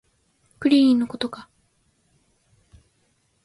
クリリンのことか